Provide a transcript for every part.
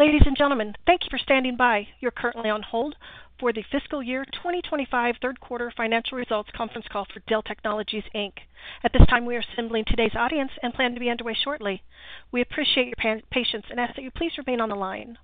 Ladies and gentlemen, thank you for standing by. You're currently on hold for the Fiscal Year 2025 Third Quarter Financial Results Conference Call for Dell Technologies Inc. At this time, we are assembling today's audience and plan to be underway shortly. We appreciate your patience and ask that you please remain on the line.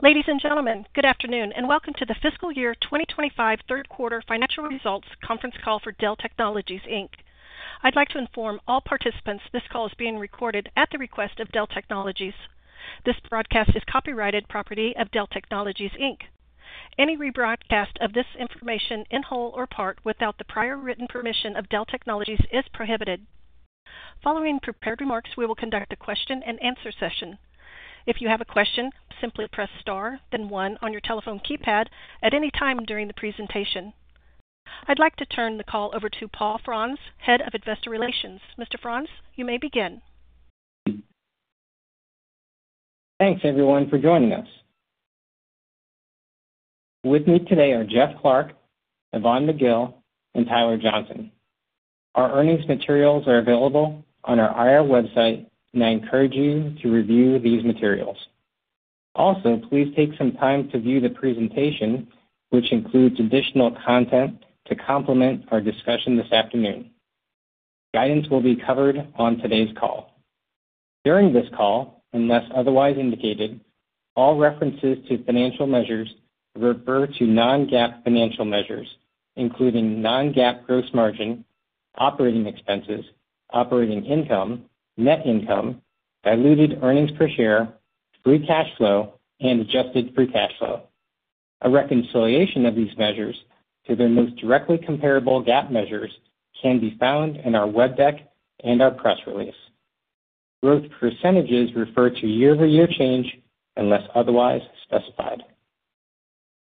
Ladies and gentlemen, good afternoon and welcome to the Fiscal Year 2025 Third Quarter Financial Results Conference Call for Dell Technologies Inc. I'd like to inform all participants this call is being recorded at the request of Dell Technologies. This broadcast is copyrighted property of Dell Technologies Inc. Any rebroadcast of this information in whole or part without the prior written permission of Dell Technologies is prohibited. Following prepared remarks, we will conduct a question and answer session. If you have a question, simply press star then one on your telephone keypad at any time during the presentation. I'd like to turn the call over to Paul Frantz, head of investor relations. Mr. Frantz, you may begin. Thanks, everyone, for joining us. With me today are Jeff Clarke, Yvonne McGill, and Tyler Johnson. Our earnings materials are available on our IR website, and I encourage you to review these materials. Also, please take some time to view the presentation, which includes additional content to complement our discussion this afternoon. Guidance will be covered on today's call. During this call, unless otherwise indicated, all references to financial measures refer to non-GAAP financial measures, including non-GAAP gross margin, operating expenses, operating income, net income, diluted earnings per share, free cash flow, and adjusted free cash flow. A reconciliation of these measures to their most directly comparable GAAP measures can be found in our web deck and our press release. Growth percentages refer to year-over-year change unless otherwise specified.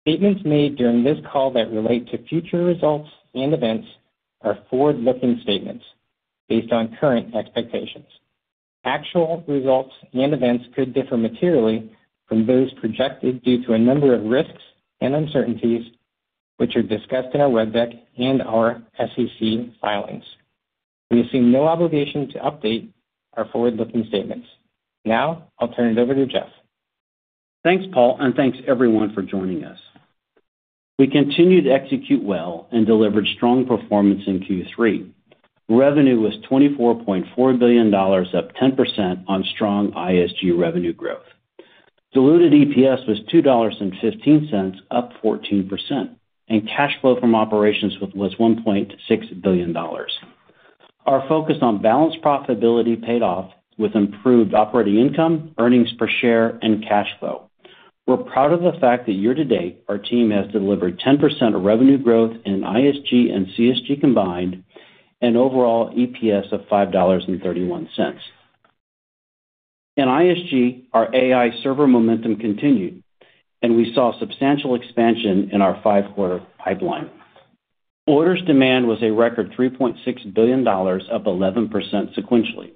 Statements made during this call that relate to future results and events are forward-looking statements based on current expectations. Actual results and events could differ materially from those projected due to a number of risks and uncertainties, which are discussed in our web deck and our SEC filings. We assume no obligation to update our forward-looking statements. Now, I'll turn it over to Jeff. Thanks, Paul, and thanks, everyone, for joining us. We continued to execute well and delivered strong performance in Q3. Revenue was $24.4 billion, up 10% on strong ISG revenue growth. Diluted EPS was $2.15, up 14%, and cash flow from operations was $1.6 billion. Our focus on balanced profitability paid off with improved operating income, earnings per share, and cash flow. We're proud of the fact that year to date, our team has delivered 10% revenue growth in ISG and CSG combined, and overall EPS of $5.31. In ISG, our AI server momentum continued, and we saw substantial expansion in our five-quarter pipeline. Orders demand was a record $3.6 billion, up 11% sequentially,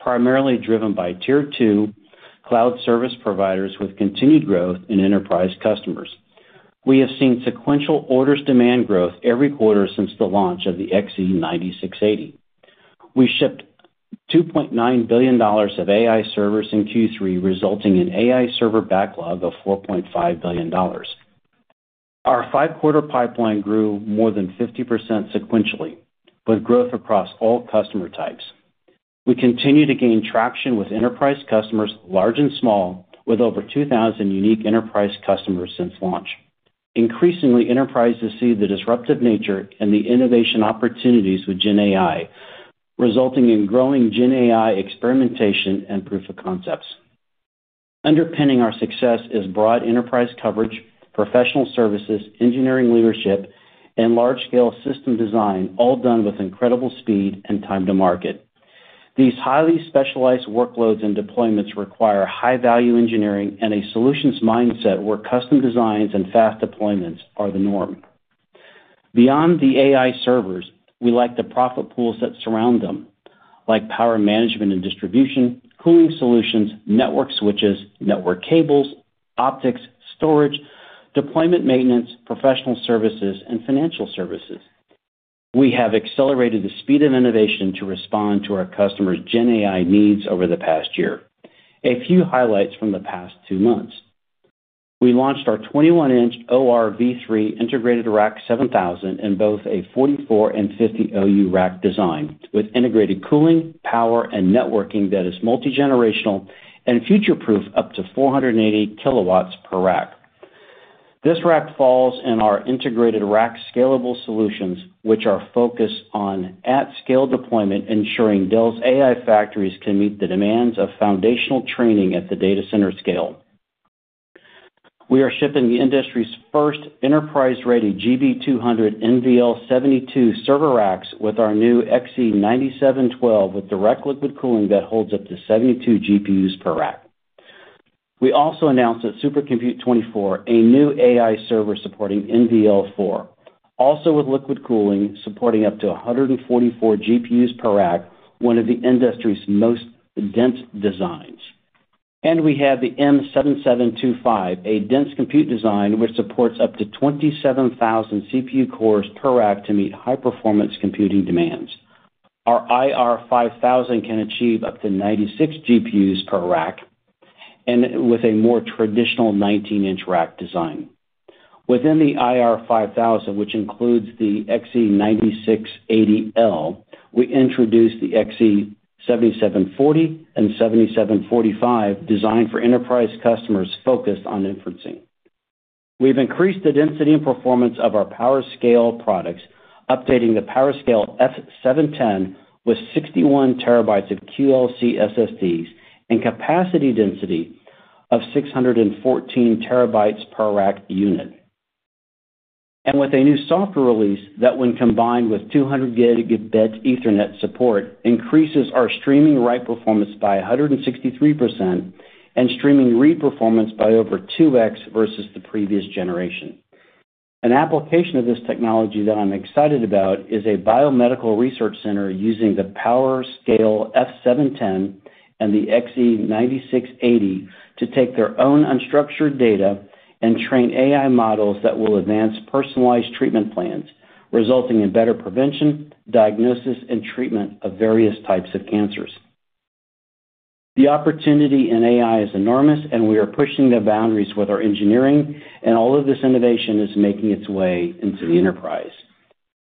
primarily driven by Tier 2 cloud service providers with continued growth in enterprise customers. We have seen sequential orders demand growth every quarter since the launch of the XE9680. We shipped $2.9 billion of AI servers in Q3, resulting in AI server backlog of $4.5 billion. Our five-quarter pipeline grew more than 50% sequentially, with growth across all customer types. We continue to gain traction with enterprise customers large and small, with over 2,000 unique enterprise customers since launch. Increasingly, enterprises see the disruptive nature and the innovation opportunities with GenAI, resulting in growing GenAI experimentation and proof of concepts. Underpinning our success is broad enterprise coverage, professional services, engineering leadership, and large-scale system design, all done with incredible speed and time to market. These highly specialized workloads and deployments require high-value engineering and a solutions mindset where custom designs and fast deployments are the norm. Beyond the AI servers, we like the profit pools that surround them, like power management and distribution, cooling solutions, network switches, network cables, optics, storage, deployment maintenance, professional services, and financial services. We have accelerated the speed of innovation to respond to our customers' GenAI needs over the past year. A few highlights from the past two months: we launched our 21-inch ORv3 Integrated Rack 7000 in both a 44 and 50 OU rack design, with integrated cooling, power, and networking that is multi-generational and future-proof up to 480 kW per rack. This rack falls in our Integrated Rack Scalable Solutions, which are focused on at-scale deployment, ensuring Dell's AI factories can meet the demands of foundational training at the data center scale. We are shipping the industry's first enterprise-ready GB200 NVL72 server racks with our new XE9712, with direct liquid cooling that holds up to 72 GPUs per rack. We also announced at SC24 a new AI server supporting NVL4, also with liquid cooling, supporting up to 144 GPUs per rack, one of the industry's most dense designs. We have the M7725, a dense compute design which supports up to 27,000 CPU cores per rack to meet high-performance computing demands. Our IR5000 can achieve up to 96 GPUs per rack and with a more traditional 19-inch rack design. Within the IR5000, which includes the XE9680L, we introduced the XE7740 and XE7745, designed for enterprise customers focused on inferencing. We've increased the density and performance of our PowerScale products, updating the PowerScale F710 with 61 terabytes of QLC SSDs and capacity density of 614 terabytes per rack unit. With a new software release that, when combined with 200 Gb Ethernet support, increases our streaming write performance by 163% and streaming read performance by over 2x versus the previous generation. An application of this technology that I'm excited about is a biomedical research center using the PowerScale F710 and the XE9680 to take their own unstructured data and train AI models that will advance personalized treatment plans, resulting in better prevention, diagnosis, and treatment of various types of cancers. The opportunity in AI is enormous, and we are pushing the boundaries with our engineering, and all of this innovation is making its way into the enterprise.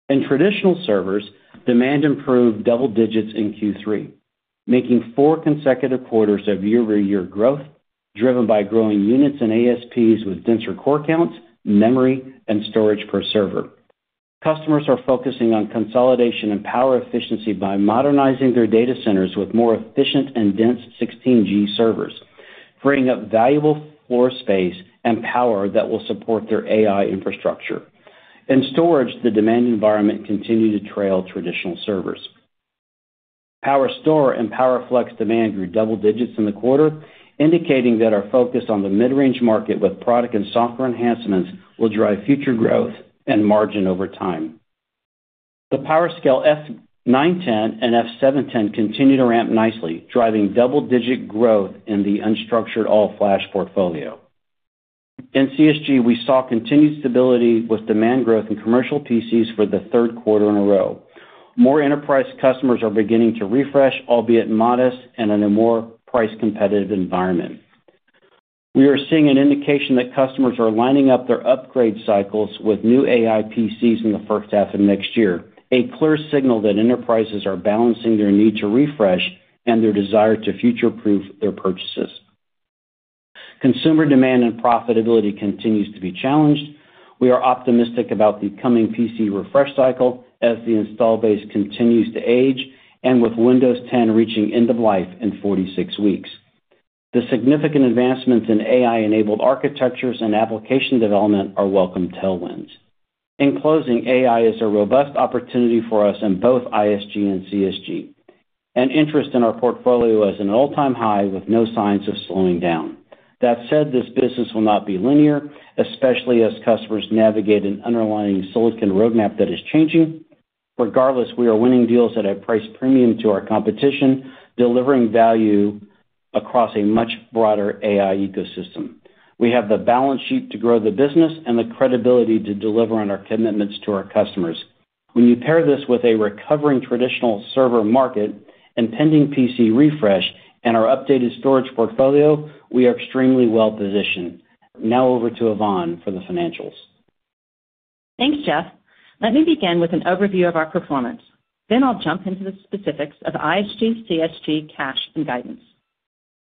In traditional servers, demand improved double digits in Q3, making four consecutive quarters of year-over-year growth, driven by growing units and ASPs with denser core counts, memory, and storage per server. Customers are focusing on consolidation and power efficiency by modernizing their data centers with more efficient and dense 16G servers, freeing up valuable floor space and power that will support their AI infrastructure. In storage, the demand environment continued to trail traditional servers. PowerStore and PowerFlex demand grew double digits in the quarter, indicating that our focus on the midrange market with product and software enhancements will drive future growth and margin over time. The PowerScale F910 and F710 continue to ramp nicely, driving double-digit growth in the unstructured all-flash portfolio. In CSG, we saw continued stability with demand growth in commercial PCs for the third quarter in a row. More enterprise customers are beginning to refresh, albeit modest, and in a more price-competitive environment. We are seeing an indication that customers are lining up their upgrade cycles with new AI PCs in the first half of next year, a clear signal that enterprises are balancing their need to refresh and their desire to future-proof their purchases. Consumer demand and profitability continue to be challenged. We are optimistic about the coming PC refresh cycle as the install base continues to age and with Windows 10 reaching end of life in 46 weeks. The significant advancements in AI-enabled architectures and application development are welcome tailwinds. In closing, AI is a robust opportunity for us in both ISG and CSG. And interest in our portfolio is at an all-time high, with no signs of slowing down. That said, this business will not be linear, especially as customers navigate an underlying silicon roadmap that is changing. Regardless, we are winning deals at a price premium to our competition, delivering value across a much broader AI ecosystem. We have the balance sheet to grow the business and the credibility to deliver on our commitments to our customers. When you pair this with a recovering traditional server market, impending PC refresh, and our updated storage portfolio, we are extremely well positioned. Now over to Yvonne for the financials. Thanks, Jeff. Let me begin with an overview of our performance. Then I'll jump into the specifics of ISG, CSG, cash, and guidance.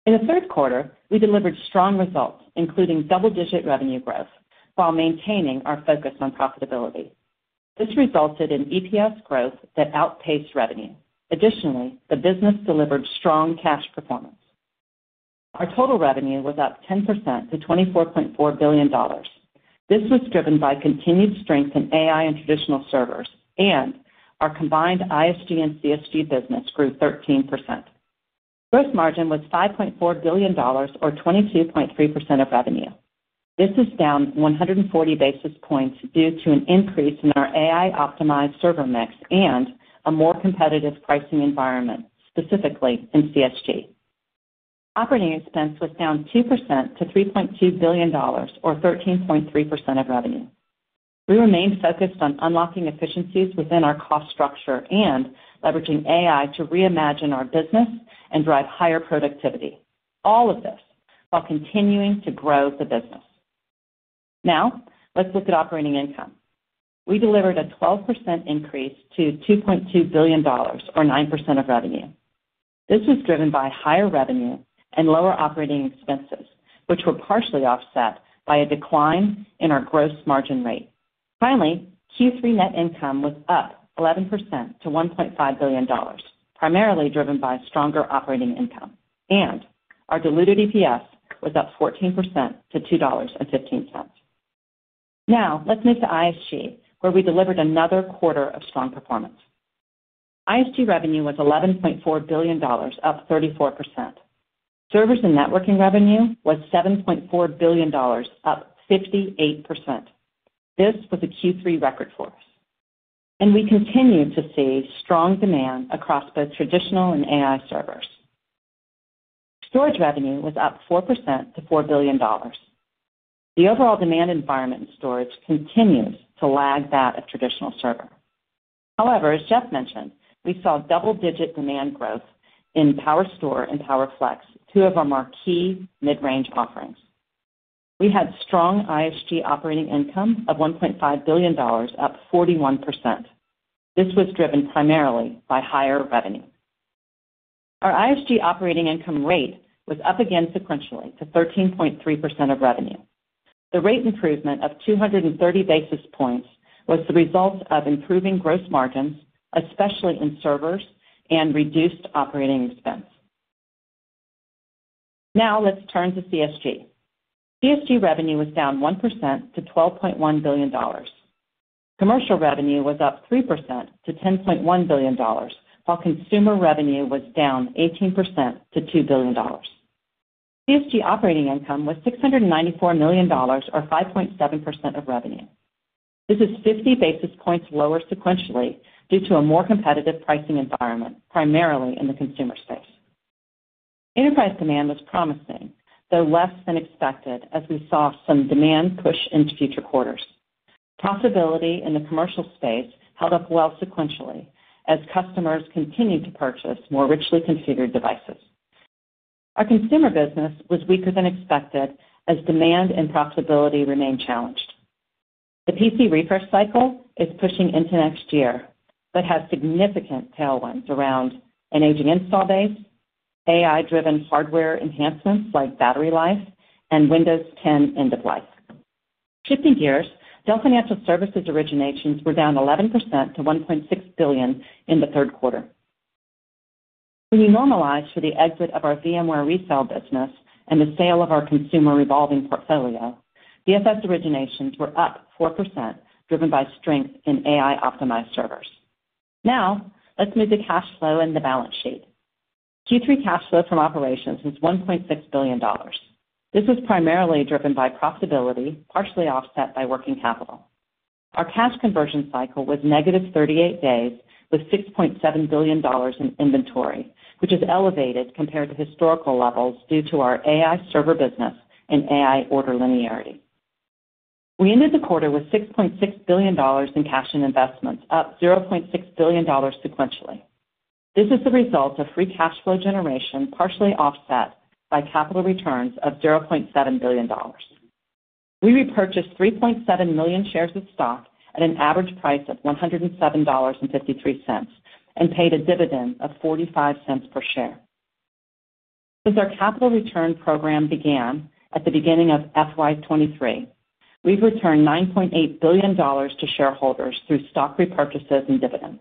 In the third quarter, we delivered strong results, including double-digit revenue growth while maintaining our focus on profitability. This resulted in EPS growth that outpaced revenue. Additionally, the business delivered strong cash performance. Our total revenue was up 10% to $24.4 billion. This was driven by continued strength in AI and traditional servers, and our combined ISG and CSG business grew 13%. Gross margin was $5.4 billion, or 22.3% of revenue. This is down 140 basis points due to an increase in our AI-optimized server mix and a more competitive pricing environment, specifically in CSG. Operating expense was down 2% to $3.2 billion, or 13.3% of revenue. We remained focused on unlocking efficiencies within our cost structure and leveraging AI to reimagine our business and drive higher productivity, all of this while continuing to grow the business. Now, let's look at operating income. We delivered a 12% increase to $2.2 billion, or 9% of revenue. This was driven by higher revenue and lower operating expenses, which were partially offset by a decline in our gross margin rate. Finally, Q3 net income was up 11% to $1.5 billion, primarily driven by stronger operating income. And our diluted EPS was up 14% to $2.15. Now, let's move to ISG, where we delivered another quarter of strong performance. ISG revenue was $11.4 billion, up 34%. Servers and networking revenue was $7.4 billion, up 58%. This was a Q3 record for us. And we continue to see strong demand across both traditional and AI servers. Storage revenue was up 4% to $4 billion. The overall demand environment in storage continues to lag that of traditional server. However, as Jeff mentioned, we saw double-digit demand growth in PowerStore and PowerFlex, two of our more key mid-range offerings. We had strong ISG operating income of $1.5 billion, up 41%. This was driven primarily by higher revenue. Our ISG operating income rate was up again sequentially to 13.3% of revenue. The rate improvement of 230 basis points was the result of improving gross margins, especially in servers, and reduced operating expense. Now, let's turn to CSG. CSG revenue was down 1% to $12.1 billion. Commercial revenue was up 3% to $10.1 billion, while consumer revenue was down 18% to $2 billion. CSG operating income was $694 million, or 5.7% of revenue. This is 50 basis points lower sequentially due to a more competitive pricing environment, primarily in the consumer space. Enterprise demand was promising, though less than expected, as we saw some demand push into future quarters. Profitability in the commercial space held up well sequentially as customers continued to purchase more richly configured devices. Our consumer business was weaker than expected as demand and profitability remained challenged. The PC refresh cycle is pushing into next year but has significant tailwinds around an aging install base, AI-driven hardware enhancements like battery life, and Windows 10 end of life. Shifting gears, Dell Financial Services originations were down 11% to $1.6 billion in the third quarter. When you normalize for the exit of our VMware resale business and the sale of our consumer revolving portfolio, DFS originations were up 4%, driven by strength in AI-optimized servers. Now, let's move to cash flow and the balance sheet. Q3 cash flow from operations was $1.6 billion. This was primarily driven by profitability, partially offset by working capital. Our cash conversion cycle was negative 38 days, with $6.7 billion in inventory, which is elevated compared to historical levels due to our AI server business and AI order linearity. We ended the quarter with $6.6 billion in cash and investments, up $0.6 billion sequentially. This is the result of free cash flow generation, partially offset by capital returns of $0.7 billion. We repurchased 3.7 million shares of stock at an average price of $107.53 and paid a dividend of $0.45 per share. Since our capital return program began at the beginning of FY 2023, we've returned $9.8 billion to shareholders through stock repurchases and dividends.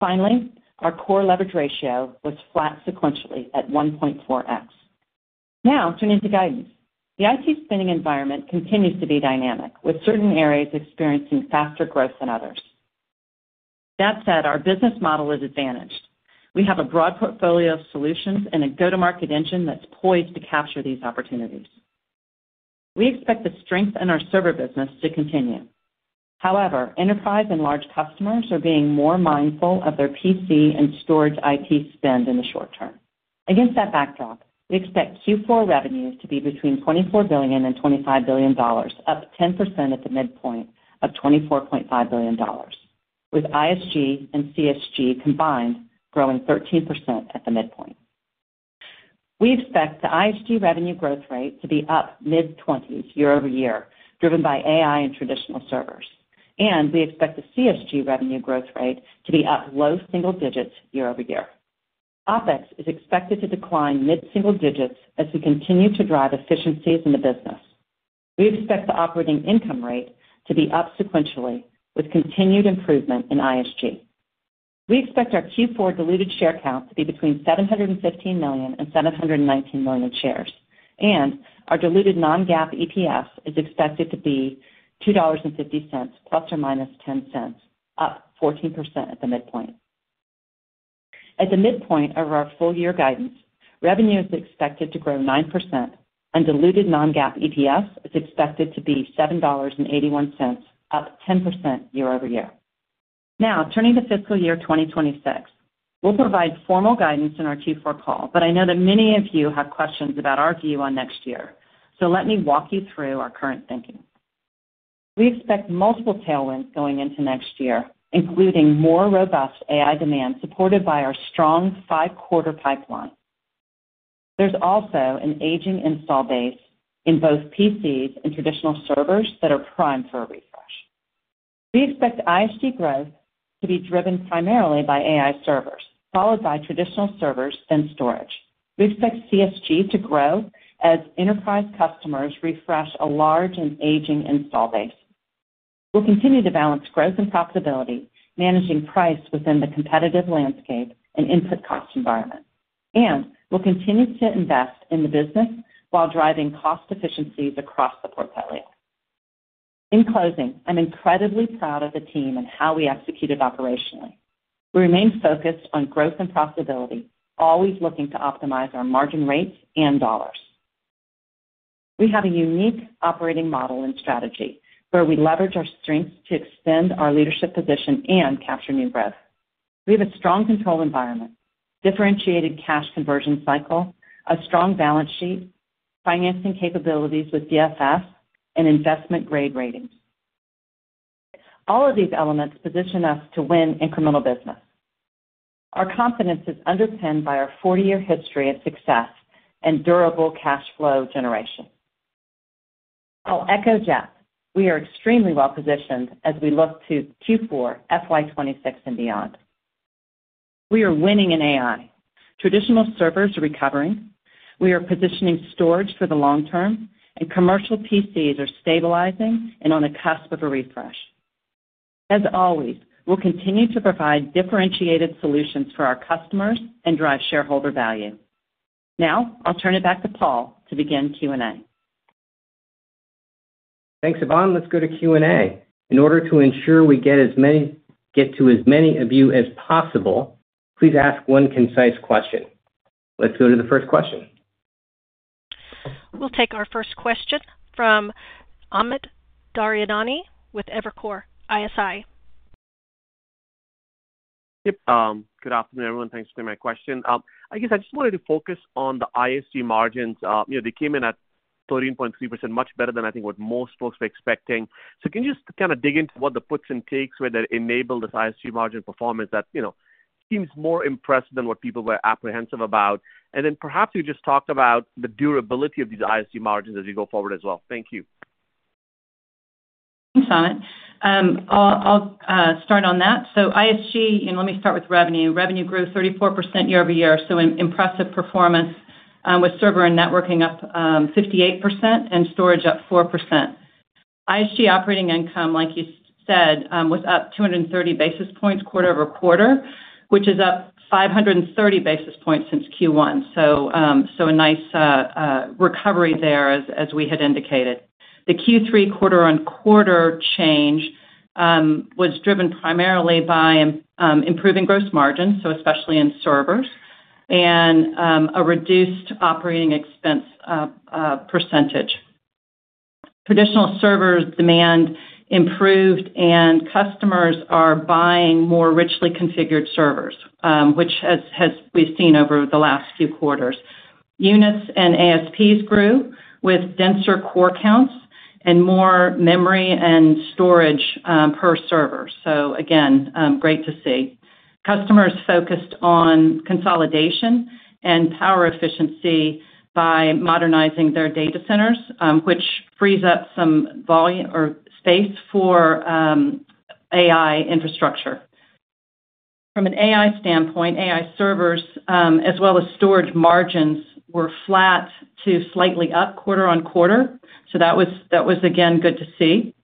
Finally, our core leverage ratio was flat sequentially at 1.4x. Now, turning to guidance. The IT spending environment continues to be dynamic, with certain areas experiencing faster growth than others. That said, our business model is advantaged. We have a broad portfolio of solutions and a go-to-market engine that's poised to capture these opportunities. We expect the strength in our server business to continue. However, enterprise and large customers are being more mindful of their PC and storage IT spend in the short term. Against that backdrop, we expect Q4 revenues to be between $24 billion and $25 billion, up 10% at the midpoint of $24.5 billion, with ISG and CSG combined growing 13% at the midpoint. We expect the ISG revenue growth rate to be up mid-20s year-over-year, driven by AI and traditional servers, and we expect the CSG revenue growth rate to be up low single digits year-over-year. OpEx is expected to decline mid-single digits as we continue to drive efficiencies in the business. We expect the operating income rate to be up sequentially with continued improvement in ISG. We expect our Q4 diluted share count to be between 715 million and 719 million shares. And our diluted non-GAAP EPS is expected to be $2.50 plus or minus $0.10, up 14% at the midpoint. At the midpoint of our full-year guidance, revenue is expected to grow 9%, and diluted non-GAAP EPS is expected to be $7.81, up 10% year-over- year. Now, turning to fiscal year 2026, we'll provide formal guidance in our Q4 call, but I know that many of you have questions about our view on next year. So let me walk you through our current thinking. We expect multiple tailwinds going into next year, including more robust AI demand supported by our strong five-quarter pipeline. There's also an aging installed base in both PCs and traditional servers that are primed for a refresh. We expect ISG growth to be driven primarily by AI servers, followed by traditional servers and storage. We expect CSG to grow as enterprise customers refresh a large and aging installed base. We'll continue to balance growth and profitability, managing price within the competitive landscape and input cost environment. And we'll continue to invest in the business while driving cost efficiencies across the portfolio. In closing, I'm incredibly proud of the team and how we executed operationally. We remain focused on growth and profitability, always looking to optimize our margin rates and dollars. We have a unique operating model and strategy where we leverage our strengths to extend our leadership position and capture new growth. We have a strong control environment, differentiated cash conversion cycle, a strong balance sheet, financing capabilities with DFS, and investment-grade ratings. All of these elements position us to win incremental business. Our confidence is underpinned by our 40-year history of success and durable cash flow generation. I'll echo Jeff. We are extremely well positioned as we look to Q4, FY 2026, and beyond. We are winning in AI. Traditional servers are recovering. We are positioning storage for the long term, and commercial PCs are stabilizing and on the cusp of a refresh. As always, we'll continue to provide differentiated solutions for our customers and drive shareholder value. Now, I'll turn it back to Paul to begin Q&A. Thanks, Yvonne. Let's go to Q&A. In order to ensure we get to as many of you as possible, please ask one concise question. Let's go to the first question. We'll take our first question from Amit Daryanani with Evercore ISI. Yep. Good afternoon, everyone. Thanks for my question. I guess I just wanted to focus on the ISG margins. They came in at 13.3%, much better than I think what most folks were expecting. So can you just kind of dig into what the puts and takes were that enabled this ISG margin performance that seems more impressive than what people were apprehensive about? And then perhaps you just talked about the durability of these ISG margins as we go forward as well. Thank you. Thanks, Amit. I'll start on that. So ISG, let me start with revenue. Revenue grew 34% year-over-year, so impressive performance, with server and networking up 58% and storage up 4%. ISG operating income, like you said, was up 230 basis points quarter over quarter, which is up 530 basis points since Q1. So a nice recovery there as we had indicated. The Q3 quarter-on-quarter change was driven primarily by improving gross margins, so especially in servers, and a reduced operating expense percentage. Traditional server demand improved, and customers are buying more richly configured servers, which we've seen over the last few quarters. Units and ASPs grew with denser core counts and more memory and storage per server. So again, great to see. Customers focused on consolidation and power efficiency by modernizing their data centers, which frees up some space for AI infrastructure. From an AI standpoint, AI servers, as well as storage margins, were flat to slightly up quarter-on-quarter. So that was, again, good to see.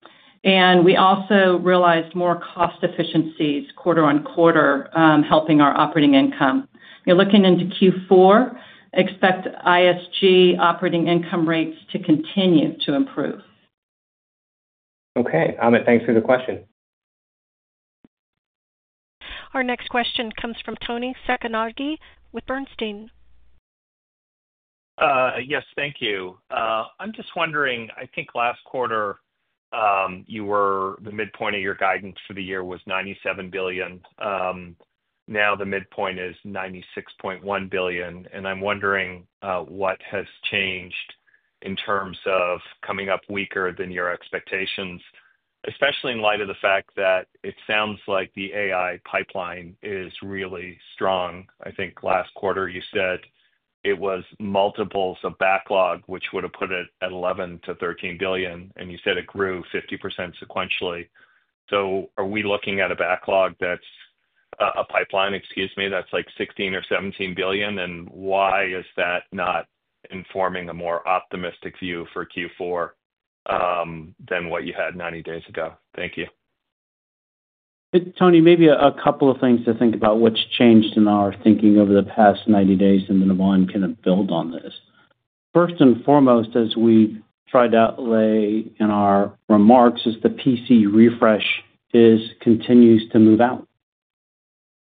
And we also realized more cost efficiencies quarter on quarter, helping our operating income. Looking into Q4, expect ISG operating income rates to continue to improve. Okay. Amit, thanks for the question. Our next question comes from Toni Sacconaghi with Bernstein. Yes, thank you. I'm just wondering, I think last quarter the midpoint of your guidance for the year was $97 billion. Now the midpoint is $96.1 billion, and I'm wondering what has changed in terms of coming up weaker than your expectations, especially in light of the fact that it sounds like the AI pipeline is really strong. I think last quarter you said it was multiples of backlog, which would have put it at $11 billion-$13 billion, and you said it grew 50% sequentially, so are we looking at a backlog, a pipeline, excuse me, that's like $16 billion or $17 billion? And why is that not informing a more optimistic view for Q4 than what you had 90 days ago? Thank you. Toni, maybe a couple of things to think about, what's changed in our thinking over the past 90 days, and then Yvonne can build on this. First and foremost, as we tried to outline in our remarks, is the PC refresh continues to move out.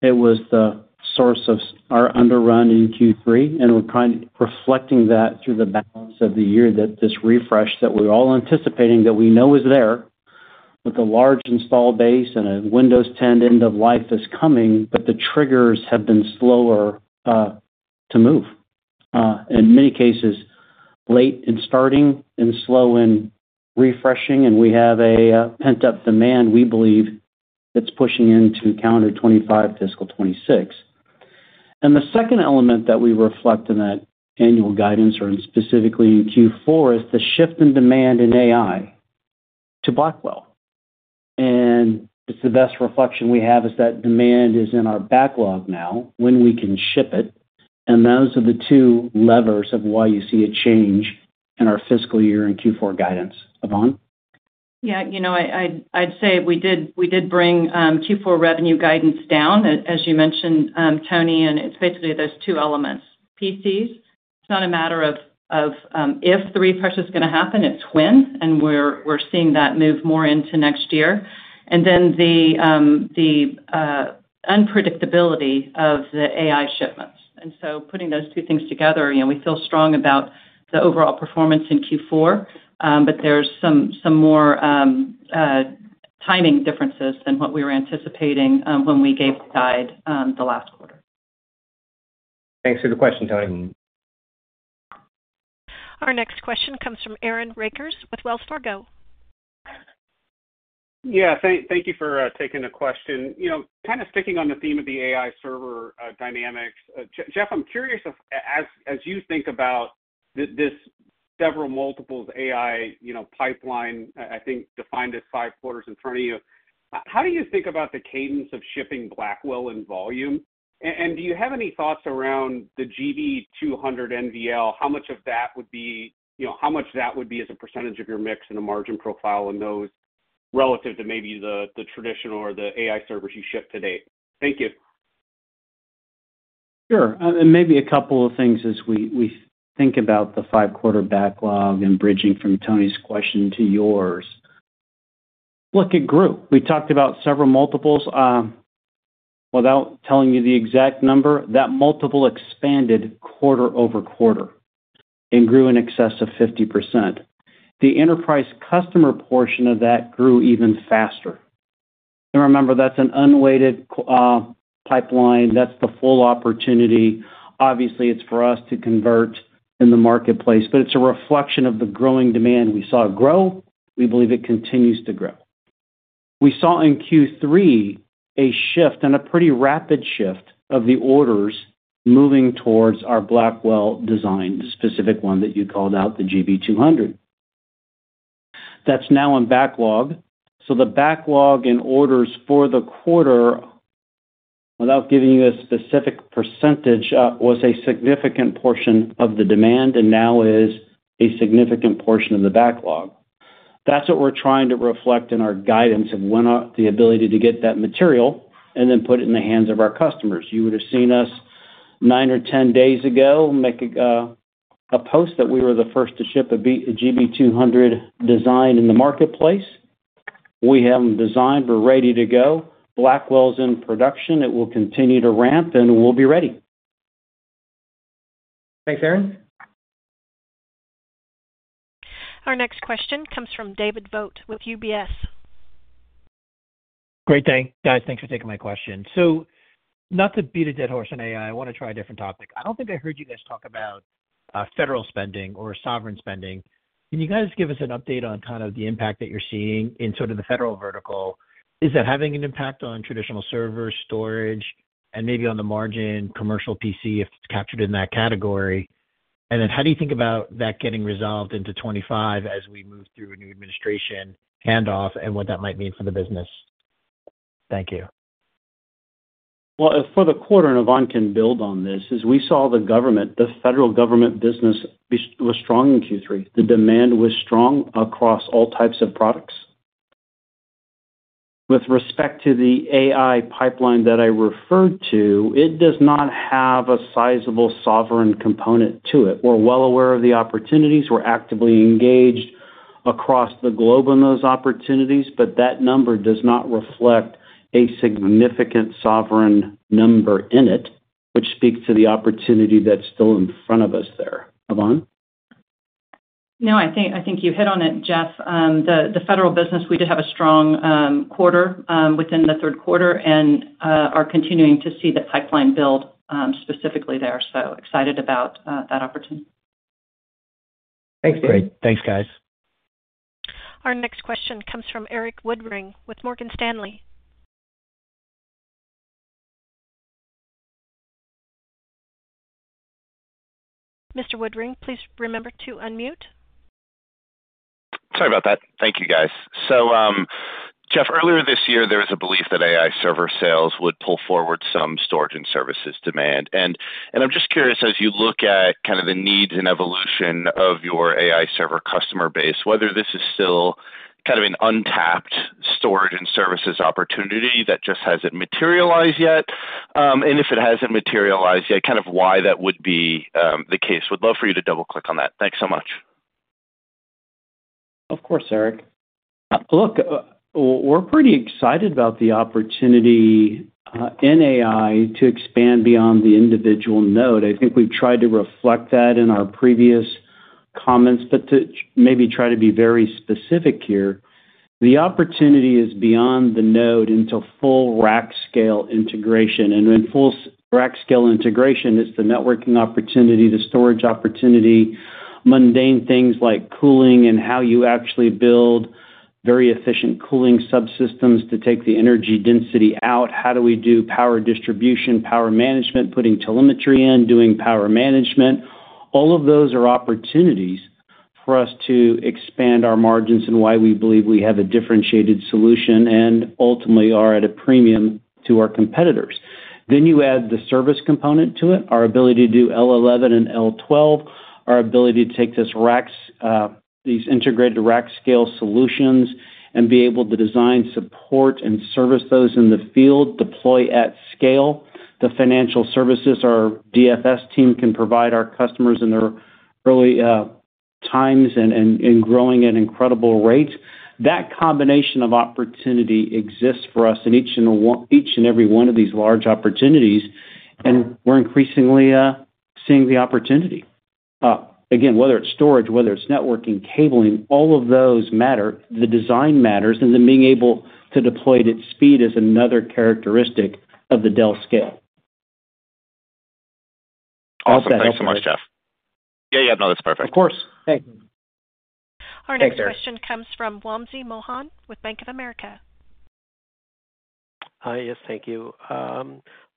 It was the source of our underrun in Q3, and we're kind of reflecting that through the balance of the year that this refresh that we're all anticipating that we know is there, with a large installed base and a Windows 10 end of life that's coming, but the triggers have been slower to move. In many cases, late in starting and slow in refreshing, and we have a pent-up demand, we believe, that's pushing into calendar 2025, fiscal 2026. And the second element that we reflect in that annual guidance, or specifically in Q4, is the shift in demand in AI to Blackwell. The best reflection we have is that demand is in our backlog now when we can ship it. Those are the two levers of why you see a change in our fiscal year and Q4 guidance. Yvonne? Yeah. You know I'd say we did bring Q4 revenue guidance down, as you mentioned, Toni. And it's basically those two elements. PCs, it's not a matter of if the refresh is going to happen, it's when. And we're seeing that move more into next year. And then the unpredictability of the AI shipments. And so putting those two things together, we feel strong about the overall performance in Q4, but there's some more timing differences than what we were anticipating when we gave the guide the last quarter. Thanks for the question, Toni. Our next question comes from Aaron Rakers with Wells Fargo. Yeah. Thank you for taking the question. Kind of sticking on the theme of the AI server dynamics, Jeff, I'm curious, as you think about this several multiples AI pipeline, I think defined as five quarters in front of you, how do you think about the cadence of shipping Blackwell in volume? And do you have any thoughts around the GB200 NVL? How much of that would be as a percentage of your mix and a margin profile in those relative to maybe the traditional or the AI servers you ship today? Thank you. Sure. And maybe a couple of things as we think about the five-quarter backlog and bridging from Toni's question to yours. Look, it grew. We talked about several multiples. Without telling you the exact number, that multiple expanded quarter-over-quarter and grew in excess of 50%. The enterprise customer portion of that grew even faster. And remember, that's an unweighted pipeline. That's the full opportunity. Obviously, it's for us to convert in the marketplace, but it's a reflection of the growing demand we saw grow. We believe it continues to grow. We saw in Q3 a shift and a pretty rapid shift of the orders moving towards our Blackwell design, the specific one that you called out, the GB200. That's now in backlog. So the backlog in orders for the quarter, without giving you a specific percentage, was a significant portion of the demand and now is a significant portion of the backlog. That's what we're trying to reflect in our guidance of the ability to get that material and then put it in the hands of our customers. You would have seen us nine or 10 days ago make a post that we were the first to ship a GB200 design in the marketplace. We have them designed. We're ready to go. Blackwell's in production. It will continue to ramp, and we'll be ready. Thanks, Aaron. Our next question comes from David Vogt with UBS. Great day. Guys, thanks for taking my question. So not to beat a dead horse on AI, I want to try a different topic. I don't think I heard you guys talk about federal spending or sovereign spending. Can you guys give us an update on kind of the impact that you're seeing in sort of the federal vertical? Is that having an impact on traditional servers, storage, and maybe on the margin commercial PC if it's captured in that category? And then how do you think about that getting resolved into 2025 as we move through a new administration handoff and what that might mean for the business? Thank you. For the quarter, and Yvonne can build on this, is we saw the government, the federal government business was strong in Q3. The demand was strong across all types of products. With respect to the AI pipeline that I referred to, it does not have a sizable sovereign component to it. We're well aware of the opportunities. We're actively engaged across the globe in those opportunities, but that number does not reflect a significant sovereign number in it, which speaks to the opportunity that's still in front of us there. Yvonne? No, I think you hit on it, Jeff. The federal business, we did have a strong quarter within the third quarter and are continuing to see the pipeline build specifically there. So excited about that opportunity. Thanks, Dave. Great. Thanks, guys. Our next question comes from Erik Woodring. Mr. Woodring, please remember to unmute. Sorry about that. Thank you, guys. So, Jeff, earlier this year, there was a belief that AI server sales would pull forward some storage and services demand. And I'm just curious, as you look at kind of the needs and evolution of your AI server customer base, whether this is still kind of an untapped storage and services opportunity that just hasn't materialized yet. And if it hasn't materialized yet, kind of why that would be the case. Would love for you to double-click on that. Thanks so much. Of course, Erik. Look, we're pretty excited about the opportunity in AI to expand beyond the individual node. I think we've tried to reflect that in our previous comments, but to maybe try to be very specific here. The opportunity is beyond the node into full rack scale integration, and when full rack scale integration, it's the networking opportunity, the storage opportunity, mundane things like cooling and how you actually build very efficient cooling subsystems to take the energy density out. How do we do power distribution, power management, putting telemetry in, doing power management? All of those are opportunities for us to expand our margins, and why we believe we have a differentiated solution and ultimately are at a premium to our competitors. Then you add the service component to it, our ability to do L11 and L12, our ability to take these integrated rack scale solutions and be able to design, support, and service those in the field, deploy at scale. The financial services, our DFS team can provide our customers in their early times and growing at incredible rates. That combination of opportunity exists for us in each and every one of these large opportunities. And we're increasingly seeing the opportunity. Again, whether it's storage, whether it's networking, cabling, all of those matter. The design matters. And then being able to deploy at speed is another characteristic of the Dell scale. Awesome. Thanks so much, Jeff. Yeah, yeah. No, that's perfect. Of course. Thank you. Our next question comes from Wamsi Mohan with Bank of America. Hi. Yes, thank you.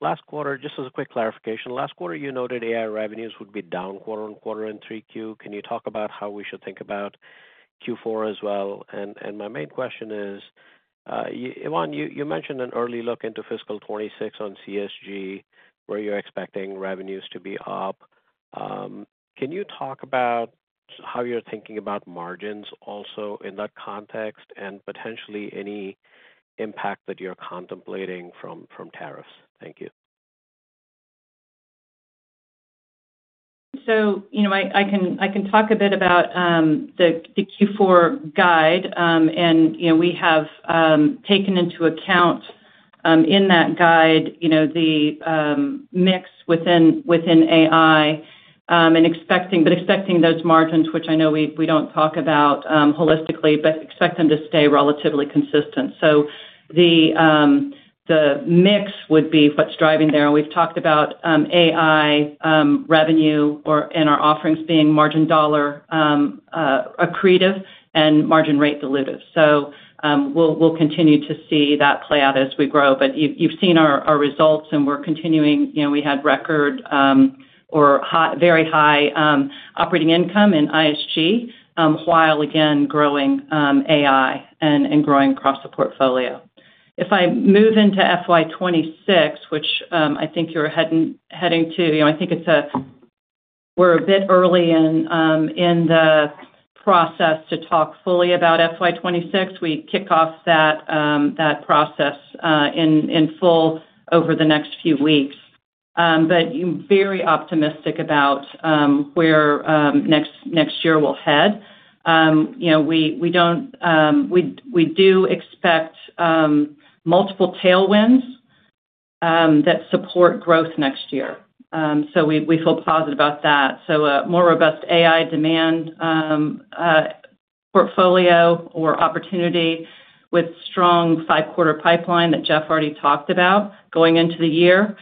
Last quarter, just as a quick clarification, last quarter you noted AI revenues would be down quarter-on-quarter in 3Q. Can you talk about how we should think about Q4 as well? And my main question is, Yvonne, you mentioned an early look into fiscal 2026 on CSG, where you're expecting revenues to be up. Can you talk about how you're thinking about margins also in that context and potentially any impact that you're contemplating from tariffs? Thank you. So I can talk a bit about the Q4 guide. And we have taken into account in that guide the mix within AI, but expecting those margins, which I know we don't talk about holistically, but expect them to stay relatively consistent. So the mix would be what's driving there. And we've talked about AI revenue and our offerings being margin dollar accretive and margin rate dilutive. So we'll continue to see that play out as we grow. But you've seen our results, and we're continuing. We had record or very high operating income in ISG while, again, growing AI and growing across the portfolio. If I move into FY 2026, which I think you're heading to, I think we're a bit early in the process to talk fully about FY 2026. We kick off that process in full over the next few weeks. I'm very optimistic about where next year will head. We do expect multiple tailwinds that support growth next year. We feel positive about that. A more robust AI demand portfolio or opportunity with strong five-quarter pipeline that Jeff already talked about going into the year,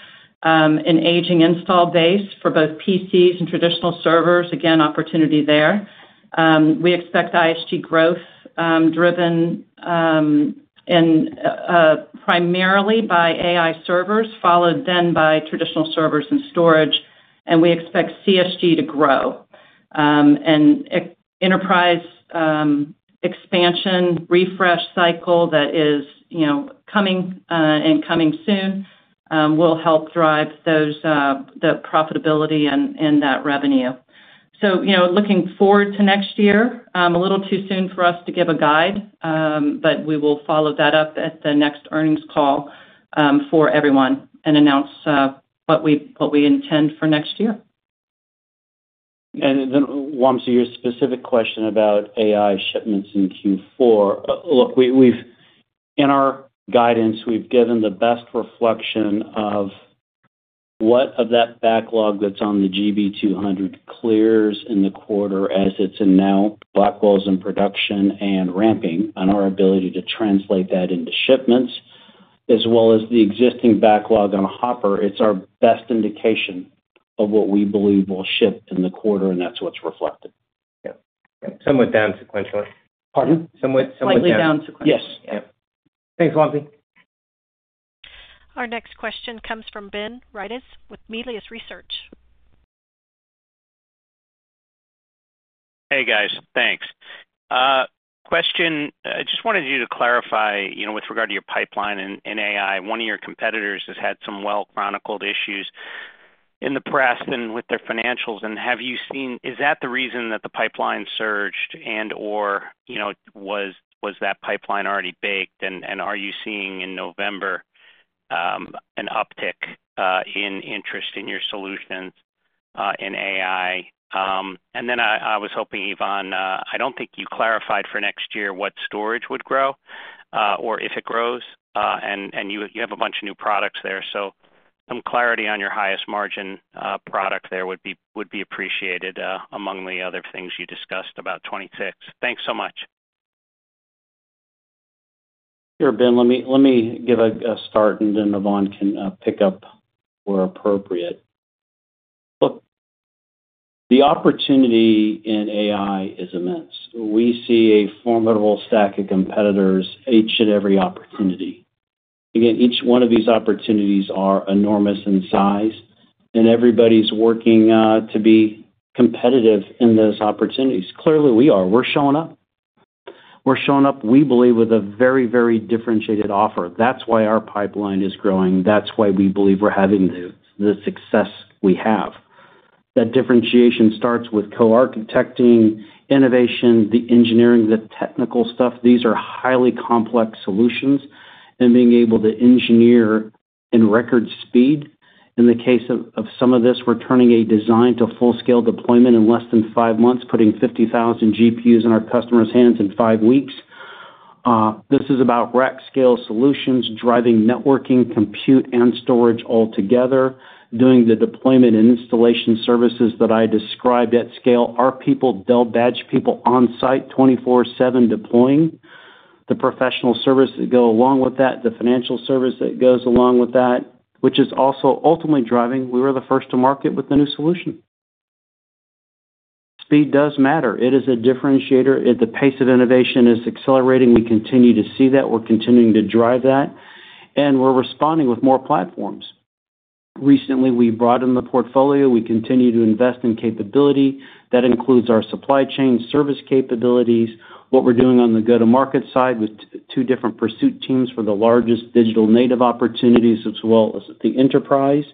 an aging installed base for both PCs and traditional servers. Again, opportunity there. We expect ISG growth driven primarily by AI servers, followed then by traditional servers and storage. We expect CSG to grow. Enterprise expansion refresh cycle that is coming and coming soon will help drive the profitability and that revenue. Looking forward to next year. A little too soon for us to give a guide, but we will follow that up at the next earnings call for everyone and announce what we intend for next year. And Wamsi, your specific question about AI shipments in Q4. Look, in our guidance, we've given the best reflection of what of that backlog that's on the GB200 clears in the quarter as it's in now, Blackwell's in production and ramping, and our ability to translate that into shipments, as well as the existing backlog on Hopper. It's our best indication of what we believe will ship in the quarter, and that's what's reflected. Yep. Somewhat down sequentially. Pardon? Somewhat down. Slightly down sequentially. Yes. Thanks, Wamsi. Our next question comes from Ben Reitzes with Melius Research. Hey, guys. Thanks. Question. I just wanted you to clarify with regard to your pipeline in AI. One of your competitors has had some well-chronicled issues in the past and with their financials. And have you seen? Is that the reason that the pipeline surged and/or was that pipeline already baked? And are you seeing in November an uptick in interest in your solutions in AI? And then I was hoping, Yvonne, I don't think you clarified for next year what storage would grow or if it grows. And you have a bunch of new products there. So some clarity on your highest margin product there would be appreciated among the other things you discussed about 2026. Thanks so much. Sure, Ben. Let me give a start, and then Yvonne can pick up where appropriate. Look, the opportunity in AI is immense. We see a formidable stack of competitors each at every opportunity. Again, each one of these opportunities are enormous in size, and everybody's working to be competitive in those opportunities. Clearly, we are. We're showing up. We're showing up, we believe, with a very, very differentiated offer. That's why our pipeline is growing. That's why we believe we're having the success we have. That differentiation starts with co-architecting, innovation, the engineering, the technical stuff. These are highly complex solutions. And being able to engineer in record speed. In the case of some of this, we're turning a design to full-scale deployment in less than five months, putting 50,000 GPUs in our customers' hands in five weeks. This is about rack scale solutions driving networking, compute, and storage altogether, doing the deployment and installation services that I described at scale. Our people, Dell-badged people on-site 24/7 deploying. The professional service that goes along with that, the financial service that goes along with that, which is also ultimately driving, we were the first to market with the new solution. Speed does matter. It is a differentiator. The pace of innovation is accelerating. We continue to see that. We're continuing to drive that, and we're responding with more platforms. Recently, we broadened the portfolio. We continue to invest in capability. That includes our supply chain service capabilities, what we're doing on the go-to-market side with two different pursuit teams for the largest digital native opportunities as well as the enterprise,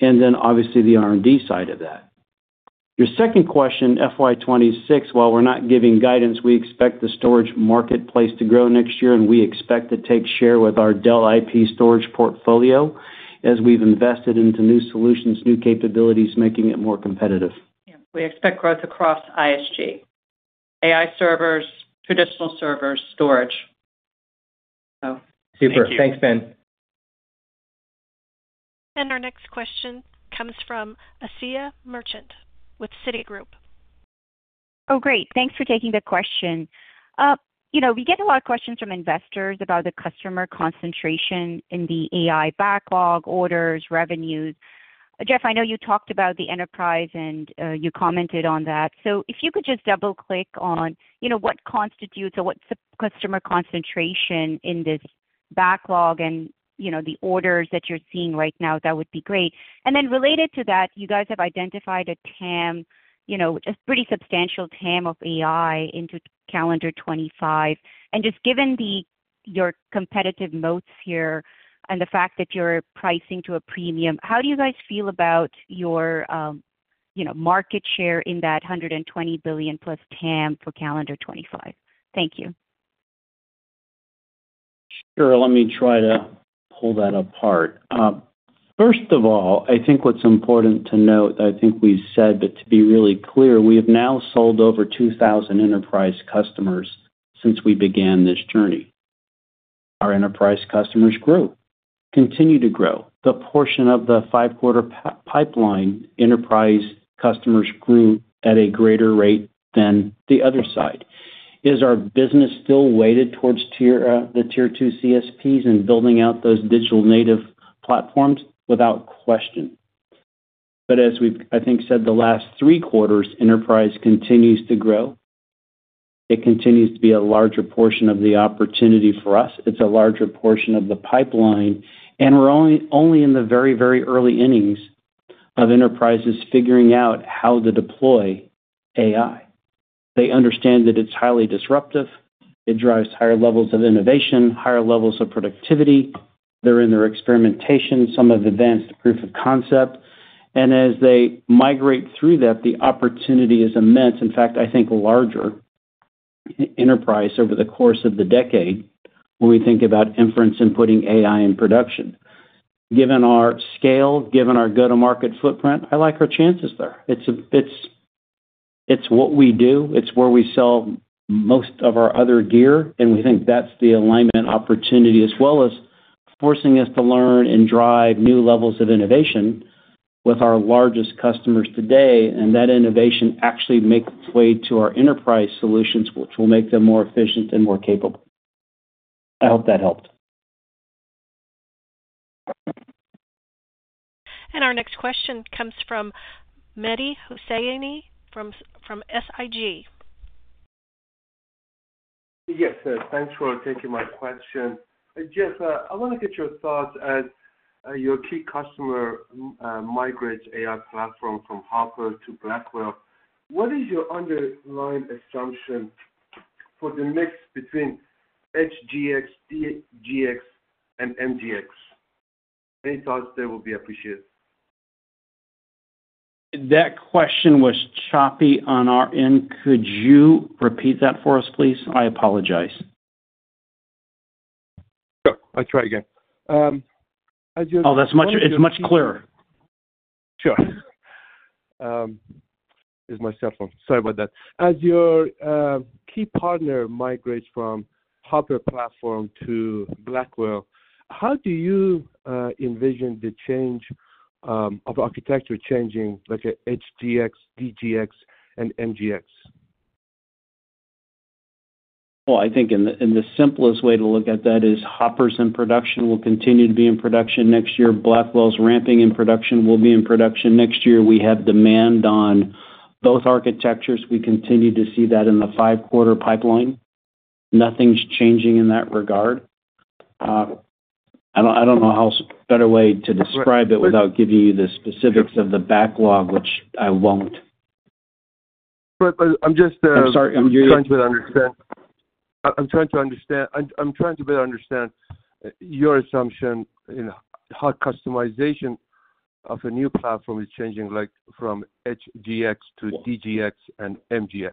and then obviously the R&D side of that. Your second question, FY 2026, while we're not giving guidance, we expect the storage marketplace to grow next year, and we expect to take share with our Dell IP storage portfolio as we've invested into new solutions, new capabilities, making it more competitive. Yeah. We expect growth across ISG, AI servers, traditional servers, storage. Super. Thanks, Ben. Our next question comes from Asiya Merchant with Citigroup. Oh, great. Thanks for taking the question. We get a lot of questions from investors about the customer concentration in the AI backlog, orders, revenues. Jeff, I know you talked about the enterprise, and you commented on that. So if you could just double-click on what constitutes or what's the customer concentration in this backlog and the orders that you're seeing right now, that would be great. And then related to that, you guys have identified a TAM, a pretty substantial TAM of AI into calendar 2025. And just given your competitive moats here and the fact that you're pricing to a premium, how do you guys feel about your market share in that $120 billion-plus TAM for calendar 2025? Thank you. Sure. Let me try to pull that apart. First of all, I think what's important to note, I think we've said, but to be really clear, we have now sold over 2,000 enterprise customers since we began this journey. Our enterprise customers grew, continue to grow. The portion of the five-quarter pipeline enterprise customers grew at a greater rate than the other side. Is our business still weighted towards the Tier 2 CSPs and building out those digital native platforms? Without question. But as we've, I think, said the last three quarters, enterprise continues to grow. It continues to be a larger portion of the opportunity for us. It's a larger portion of the pipeline. And we're only in the very, very early innings of enterprises figuring out how to deploy AI. They understand that it's highly disruptive. It drives higher levels of innovation, higher levels of productivity. They're in their experimentation, some of the advanced proof of concept. And as they migrate through that, the opportunity is immense. In fact, I think larger enterprise over the course of the decade when we think about inference and putting AI in production. Given our scale, given our go-to-market footprint, I like our chances there. It's what we do. It's where we sell most of our other gear. And we think that's the alignment opportunity as well as forcing us to learn and drive new levels of innovation with our largest customers today. And that innovation actually makes its way to our enterprise solutions, which will make them more efficient and more capable. I hope that helped. Our next question comes from Mehdi Hosseini from SIG. Yes, thanks for taking my question. Jeff, I want to get your thoughts. As your key customer migrates AI platform from Hopper to Blackwell, what is your underlying assumption for the mix between EGX, DGX, and MGX? Any thoughts there will be appreciated. That question was choppy on our end. Could you repeat that for us, please? I apologize. Sure. I'll try again. Oh, that's much clearer. Sure. It's my cell phone. Sorry about that. As your key partner migrates from Hopper platform to Blackwell, how do you envision the change of architecture changing HGX, DGX, and MGX? I think in the simplest way to look at that is Hopper's in production. We'll continue to be in production next year. Blackwell's ramping in production will be in production next year. We have demand on both architectures. We continue to see that in the five-quarter pipeline. Nothing's changing in that regard. I don't know how better way to describe it without giving you the specifics of the backlog, which I won't. I'm just trying to understand. I'm trying to understand your assumption in how customization of a new platform is changing from HGX to DGX and MGX.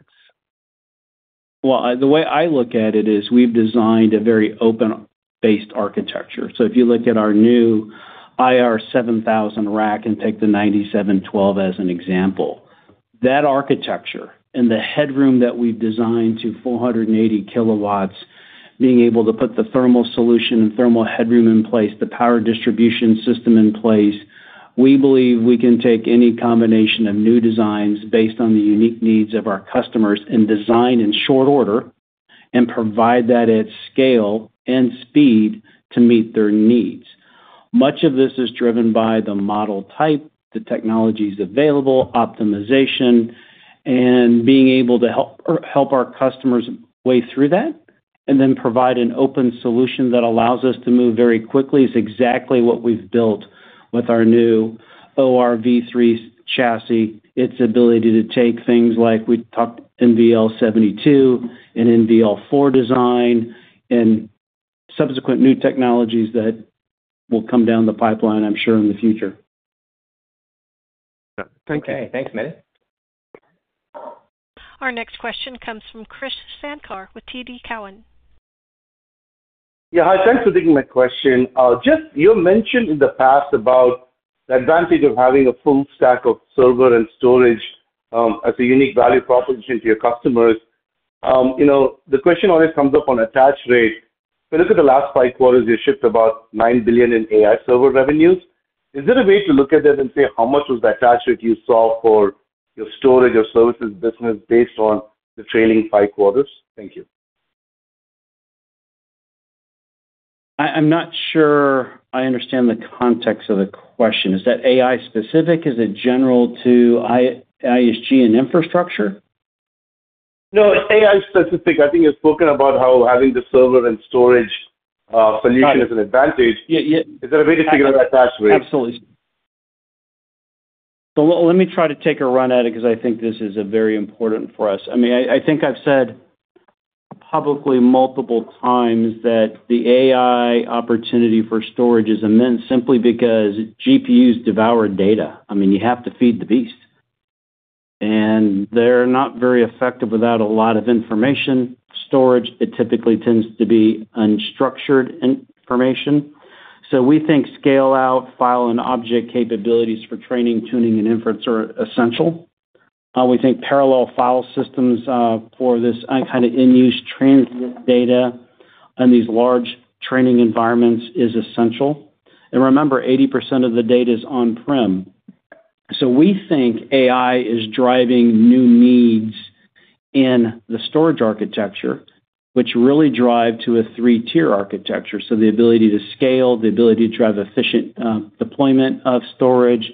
The way I look at it is we've designed a very open-based architecture. So if you look at our new IR7000 rack and take the 9712 as an example, that architecture and the headroom that we've designed to 480 kW, being able to put the thermal solution and thermal headroom in place, the power distribution system in place, we believe we can take any combination of new designs based on the unique needs of our customers and design in short order and provide that at scale and speed to meet their needs. Much of this is driven by the model type, the technologies available, optimization, and being able to help our customers way through that and then provide an open solution that allows us to move very quickly. This is exactly what we've built with our new ORv3 chassis, its ability to take things like we talked NVL72 and NVL4 design and subsequent new technologies that will come down the pipeline, I'm sure, in the future. Thank you. Okay. Thanks, Mehdi. Our next question comes from Krish Sankar with TD Cowen. Yeah. Hi. Thanks for taking my question. Jeff, you mentioned in the past about the advantage of having a full stack of server and storage as a unique value proposition to your customers. The question always comes up on attach rate. If you look at the last five quarters, you shipped about $9 billion in AI server revenues. Is there a way to look at that and say how much was the attach rate you saw for your storage or services business based on the trailing five quarters? Thank you. I'm not sure I understand the context of the question. Is that AI specific? Is it general to ISG and infrastructure? No. AI specific. I think you've spoken about how having the server and storage solution is an advantage. Is there a way to figure out attach rate? Absolutely. So let me try to take a run at it because I think this is very important for us. I mean, I think I've said publicly multiple times that the AI opportunity for storage is immense simply because GPUs devour data. I mean, you have to feed the beast. And they're not very effective without a lot of information. Storage, it typically tends to be unstructured information. So we think scale-out file and object capabilities for training, tuning, and inference are essential. We think parallel file systems for this kind of in-use transit data and these large training environments is essential. And remember, 80% of the data is on-prem. So we think AI is driving new needs in the storage architecture, which really drive to a three-Tier architecture. The ability to scale, the ability to drive efficient deployment of storage,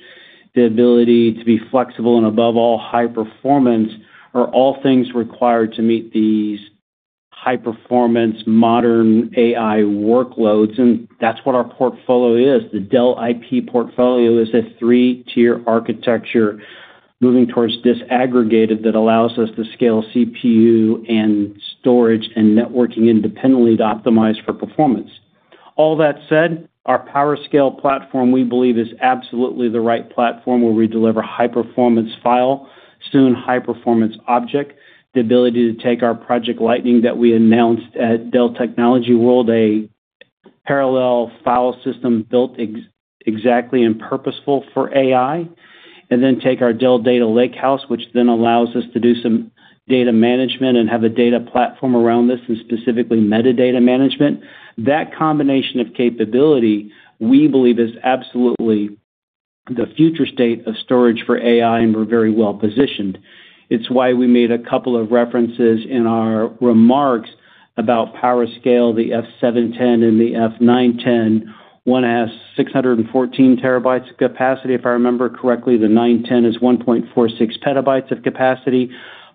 the ability to be flexible, and above all, high performance are all things required to meet these high-performance modern AI workloads. That's what our portfolio is. The Dell IP portfolio is a three-Tier architecture moving towards disaggregated that allows us to scale CPU and storage and networking independently to optimize for performance. All that said, our PowerScale platform, we believe, is absolutely the right platform where we deliver high-performance file, soon high-performance object, the ability to take our Project Lightning that we announced at Dell Technologies World, a parallel file system built exactly and purposeful for AI, and then take our Dell Data Lakehouse, which then allows us to do some data management and have a data platform around this and specifically metadata management. That combination of capability, we believe, is absolutely the future state of storage for AI, and we're very well positioned. It's why we made a couple of references in our remarks about PowerScale, the F710 and the F910. One has 614 terabytes of capacity, if I remember correctly. The 910 is 1.46 petabytes of capacity.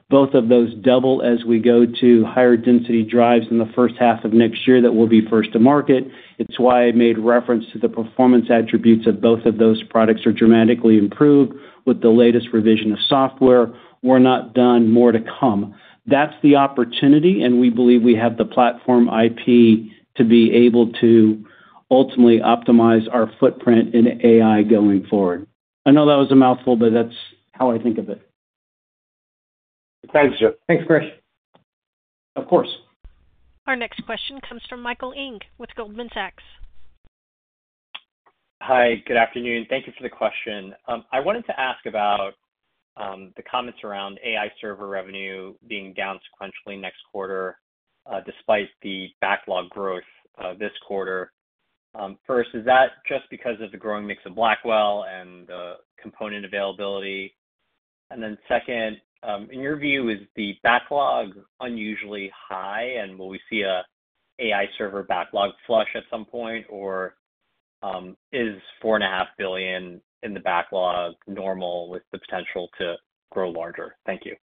Both of those double as we go to higher density drives in the first half of next year that will be first to market. It's why I made reference to the performance attributes of both of those products are dramatically improved with the latest revision of software. We're not done. More to come. That's the opportunity, and we believe we have the platform IP to be able to ultimately optimize our footprint in AI going forward. I know that was a mouthful, but that's how I think of it. Thanks, Jeff. Thanks, Krish. Of course. Our next question comes from Michael Ng with Goldman Sachs. Hi. Good afternoon. Thank you for the question. I wanted to ask about the comments around AI server revenue being down sequentially next quarter despite the backlog growth this quarter. First, is that just because of the growing mix of Blackwell and the component availability? And then second, in your view, is the backlog unusually high, and will we see an AI server backlog flush at some point, or is $4.5 billion in the backlog normal with the potential to grow larger? Thank you.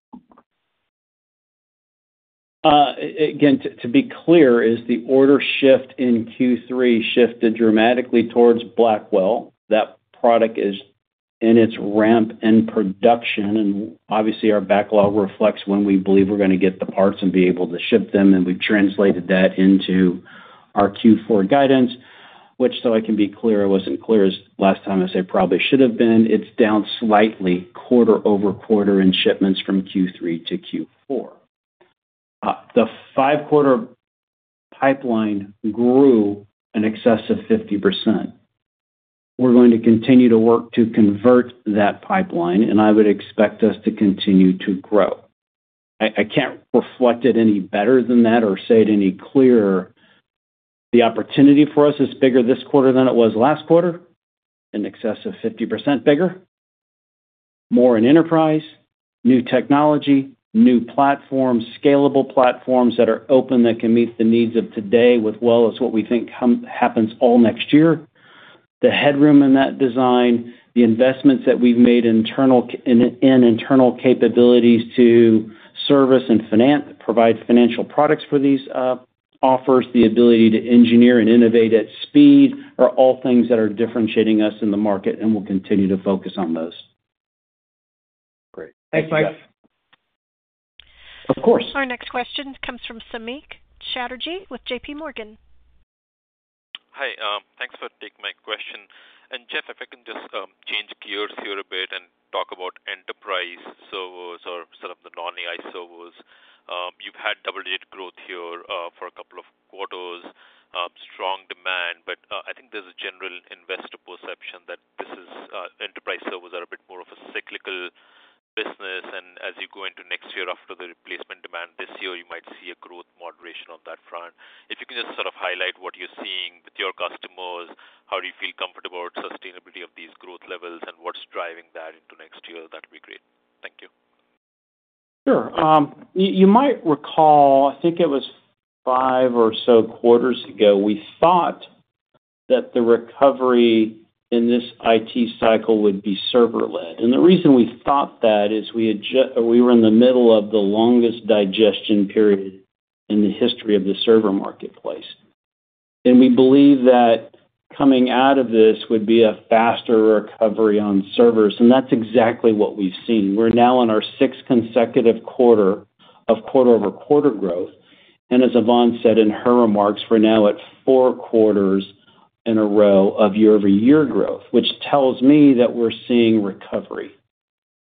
Again, to be clear, is the order shift in Q3 shifted dramatically towards Blackwell? That product is in its ramp in production, and obviously, our backlog reflects when we believe we're going to get the parts and be able to ship them. And we've translated that into our Q4 guidance, which, so I can be clear, wasn't clear last time I said probably should have been. It's down slightly, quarter over quarter in shipments from Q3 to Q4. The five-quarter pipeline grew in excess of 50%. We're going to continue to work to convert that pipeline, and I would expect us to continue to grow. I can't reflect it any better than that or say it any clearer. The opportunity for us is bigger this quarter than it was last quarter, in excess of 50% bigger, more in enterprise, new technology, new platforms, scalable platforms that are open that can meet the needs of today as well as what we think happens all next year. The headroom in that design, the investments that we've made in internal capabilities to service and provide financial products for these offers, the ability to engineer and innovate at speed are all things that are differentiating us in the market, and we'll continue to focus on those. Great. Thanks, Mike. Of course. Our next question comes from Samik Chatterjee with J.P. Morgan. Hi. Thanks for taking my question, and Jeff, if I can just change gears here a bit and talk about enterprise servers or sort of the non-AI servers. You've had double-digit growth here for a couple of quarters, strong demand, but I think there's a general investor perception that enterprise servers are a bit more of a cyclical business, and as you go into next year after the replacement demand this year, you might see a growth moderation on that front. If you can just sort of highlight what you're seeing with your customers, how do you feel comfortable with sustainability of these growth levels, and what's driving that into next year, that would be great. Thank you. Sure. You might recall, I think it was five or so quarters ago, we thought that the recovery in this IT cycle would be server-led. And the reason we thought that is we were in the middle of the longest digestion period in the history of the server marketplace. And we believe that coming out of this would be a faster recovery on servers. And that's exactly what we've seen. We're now in our sixth consecutive quarter of quarter-over-quarter growth. And as Yvonne said in her remarks, we're now at four quarters in a row of year-over-year growth, which tells me that we're seeing recovery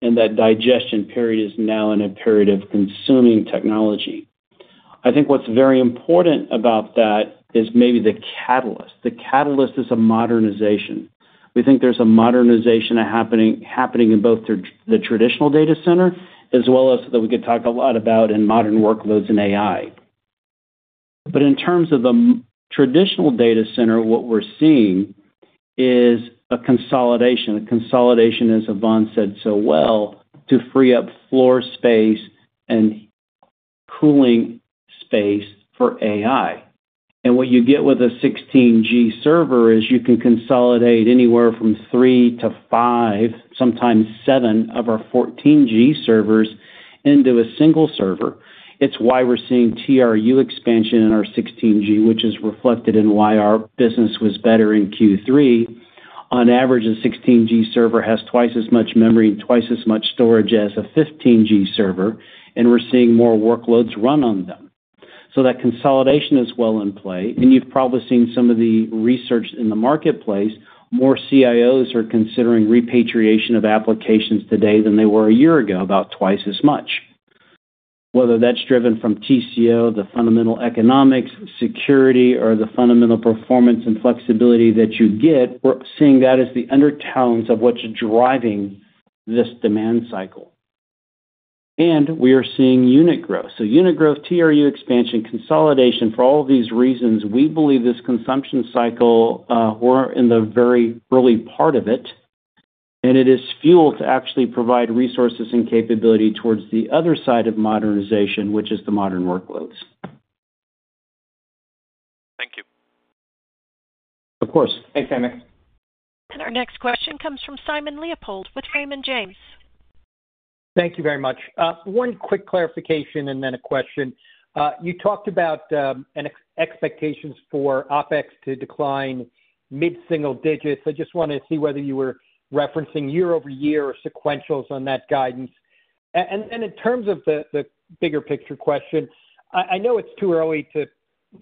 and that digestion period is now in a period of consuming technology. I think what's very important about that is maybe the catalyst. The catalyst is a modernization. We think there's a modernization happening in both the traditional data center as well as that we could talk a lot about in modern workloads in AI, but in terms of the traditional data center, what we're seeing is a consolidation. The consolidation, as Yvonne said so well, to free up floor space and cooling space for AI, and what you get with a 16G server is you can consolidate anywhere from three to five, sometimes seven of our 14G servers into a single server. It's why we're seeing TRU expansion in our 16G, which is reflected in why our business was better in Q3. On average, a 16G server has twice as much memory and twice as much storage as a 15G server, and we're seeing more workloads run on them, so that consolidation is well in play, and you've probably seen some of the research in the marketplace. More CIOs are considering repatriation of applications today than they were a year ago, about twice as much. Whether that's driven from TCO, the fundamental economics, security, or the fundamental performance and flexibility that you get, we're seeing that as the undertones of what's driving this demand cycle. And we are seeing unit growth. So unit growth, TRU expansion, consolidation, for all these reasons, we believe this consumption cycle, we're in the very early part of it, and it is fuel to actually provide resources and capability towards the other side of modernization, which is the modern workloads. Thank you. Of course. Thanks, Samik. Our next question comes from Simon Leopold with Raymond James. Thank you very much. One quick clarification and then a question. You talked about expectations for OpEx to decline mid-single digits. I just wanted to see whether you were referencing year-over-year or sequentials on that guidance. And then in terms of the bigger picture question, I know it's too early to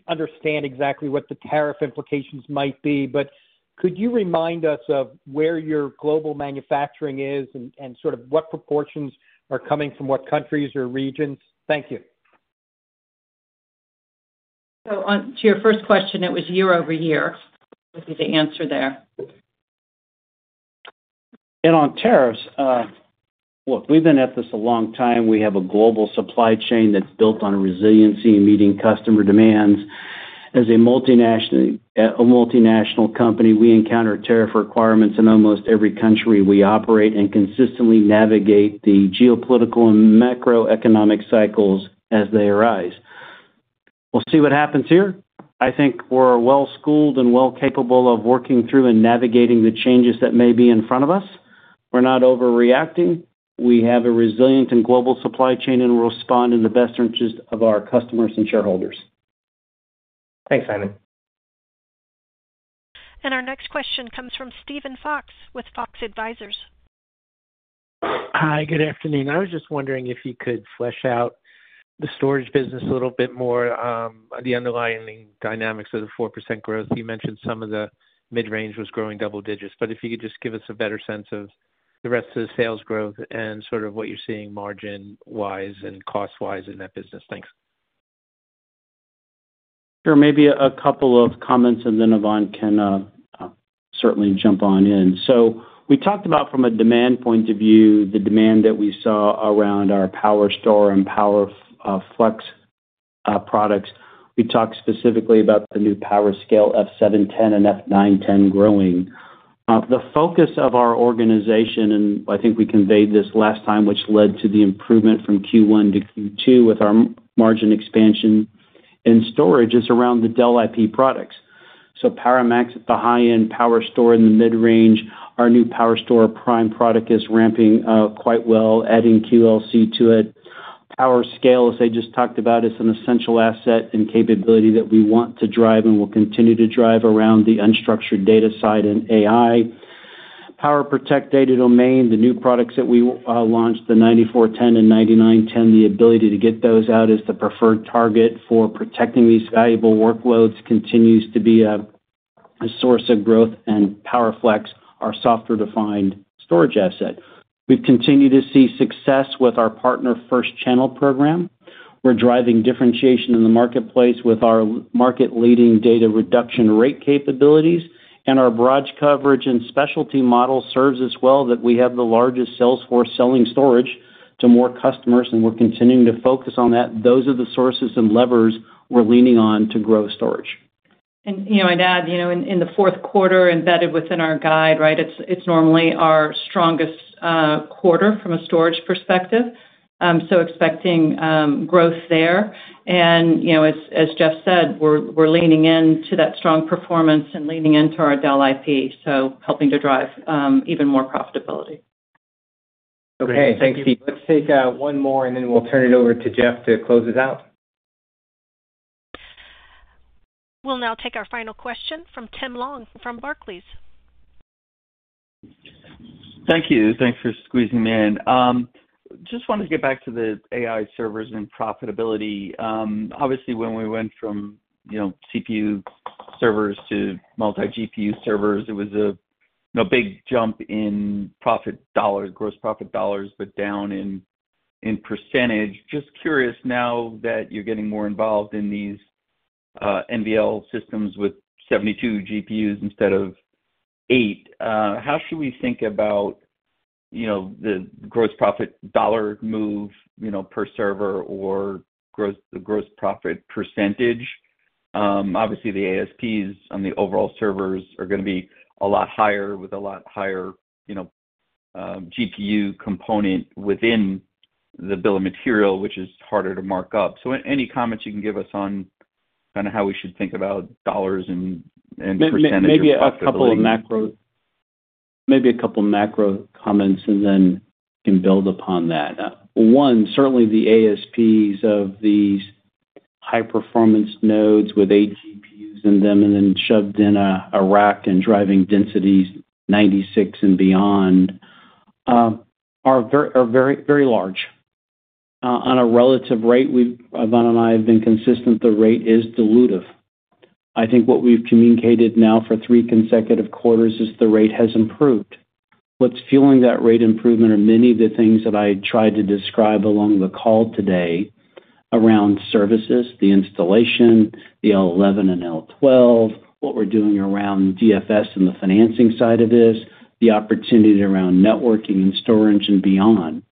understand exactly what the tariff implications might be, but could you remind us of where your global manufacturing is and sort of what proportions are coming from what countries or regions? Thank you. So to your first question, it was year-over-year. I'll give you the answer there. And on tariffs, look, we've been at this a long time. We have a global supply chain that's built on resiliency and meeting customer demands. As a multinational company, we encounter tariff requirements in almost every country we operate and consistently navigate the geopolitical and macroeconomic cycles as they arise. We'll see what happens here. I think we're well-schooled and well-capable of working through and navigating the changes that may be in front of us. We're not overreacting. We have a resilient and global supply chain, and we'll respond in the best interest of our customers and shareholders. Thanks, Simon. Our next question comes from Steven Fox with Fox Advisors. Hi. Good afternoon. I was just wondering if you could flesh out the storage business a little bit more, the underlying dynamics of the 4% growth. You mentioned some of the mid-range was growing double digits, but if you could just give us a better sense of the rest of the sales growth and sort of what you're seeing margin-wise and cost-wise in that business. Thanks. Sure. Maybe a couple of comments, and then Yvonne can certainly jump on in. So we talked about, from a demand point of view, the demand that we saw around our PowerStore and PowerFlex products. We talked specifically about the new PowerScale F710 and F910 growing. The focus of our organization, and I think we conveyed this last time, which led to the improvement from Q1 to Q2 with our margin expansion in storage, is around the Dell IP products. So PowerMax, the high-end PowerStore in the mid-range, our new PowerStore Prime product is ramping quite well, adding QLC to it. PowerScale, as I just talked about, is an essential asset and capability that we want to drive and will continue to drive around the unstructured data side and AI. PowerProtect Data Domain, the new products that we launched, the 9410 and 9910, the ability to get those out as the preferred target for protecting these valuable workloads continues to be a source of growth, and PowerFlex, our software-defined storage asset. We've continued to see success with our Partner First channel program. We're driving differentiation in the marketplace with our market-leading data reduction rate capabilities, and our broad coverage and specialty model serves as well that we have the largest sales force selling storage to more customers, and we're continuing to focus on that. Those are the sources and levers we're leaning on to grow storage. And I'd add, in the fourth quarter embedded within our guide, right, it's normally our strongest quarter from a storage perspective. So expecting growth there. And as Jeff said, we're leaning into that strong performance and leaning into our Dell IP, so helping to drive even more profitability. Okay. Thanks, Steve. Let's take one more, and then we'll turn it over to Jeff to close this out. We'll now take our final question from Tim Long from Barclays. Thank you. Thanks for squeezing me in. Just wanted to get back to the AI servers and profitability. Obviously, when we went from CPU servers to multi-GPU servers, it was a big jump in gross profit dollars, but down in percentage. Just curious, now that you're getting more involved in these NVL systems with 72 GPUs instead of eight, how should we think about the gross profit dollar move per server or the gross profit percentage? Obviously, the ASPs on the overall servers are going to be a lot higher with a lot higher GPU component within the bill of material, which is harder to mark up. So any comments you can give us on kind of how we should think about dollars and percentages? Maybe a couple of macro comments, and then we can build upon that. One, certainly the ASPs of these high-performance nodes with eight GPUs in them and then shoved in a rack and driving densities 96 and beyond are very large. On a relative rate, Yvonne and I have been consistent, the rate is dilutive. I think what we've communicated now for three consecutive quarters is the rate has improved. What's fueling that rate improvement are many of the things that I tried to describe along the call today around services, the installation, the L11 and L12, what we're doing around DFS and the financing side of this, the opportunity around networking and storage and beyond.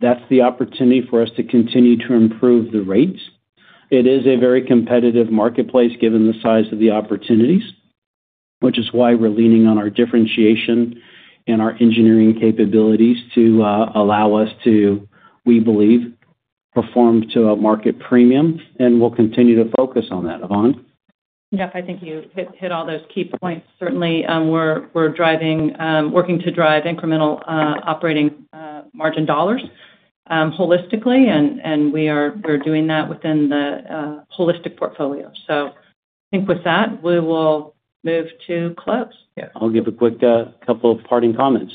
That's the opportunity for us to continue to improve the rates. It is a very competitive marketplace given the size of the opportunities, which is why we're leaning on our differentiation and our engineering capabilities to allow us to, we believe, perform to a market premium, and we'll continue to focus on that, Yvonne. Jeff, I think you hit all those key points. Certainly, we're working to drive incremental operating margin dollars holistically, and we're doing that within the holistic portfolio. So I think with that, we will move to close. Yeah. I'll give a quick couple of parting comments.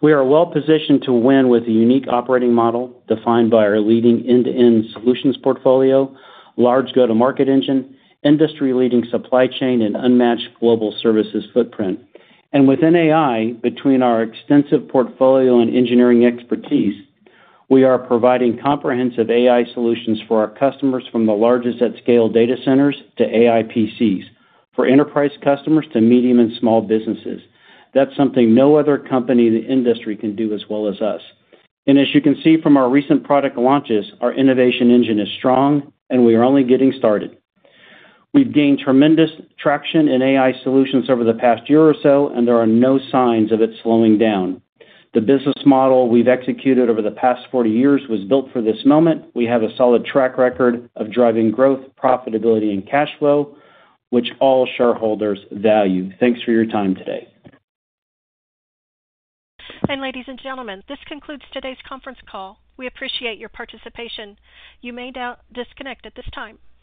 We are well-positioned to win with a unique operating model defined by our leading end-to-end solutions portfolio, large go-to-market engine, industry-leading supply chain, and unmatched global services footprint. And within AI, between our extensive portfolio and engineering expertise, we are providing comprehensive AI solutions for our customers from the largest at-scale data centers to AI PCs for enterprise customers to medium and small businesses. That's something no other company in the industry can do as well as us. And as you can see from our recent product launches, our innovation engine is strong, and we are only getting started. We've gained tremendous traction in AI solutions over the past year or so, and there are no signs of it slowing down. The business model we've executed over the past 40 years was built for this moment. We have a solid track record of driving growth, profitability, and cash flow, which all shareholders value. Thanks for your time today. And ladies and gentlemen, this concludes today's conference call. We appreciate your participation. You may now disconnect at this time.